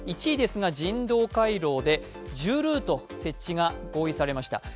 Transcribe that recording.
１位ですが人道回廊で１０ルート設置が合意されました。